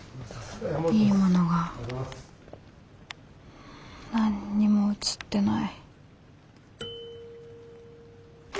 いいものが何にも写ってない。